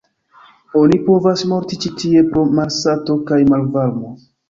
Oni povas morti ĉi tie pro malsato kaj malvarmo.